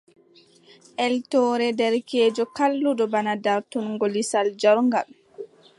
Eltoore derkeejo kalluɗo bana dartungo lisal joorngal.